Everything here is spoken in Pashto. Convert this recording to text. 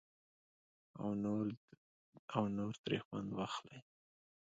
او نور ترې خوند واخلي.